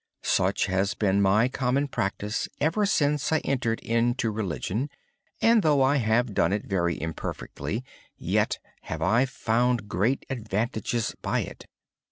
Such has been my common practice ever since I entered religious life. Though I have done it very imperfectly, I have found great advantages by it.